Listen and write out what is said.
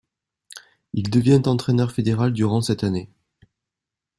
Il devient entraîneur fédéral durant cette année.